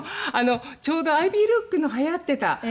ちょうどアイビールックのはやってた。